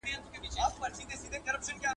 د کاسا پروژه به د سیمې هېوادونو ته بریښنا ورسوي.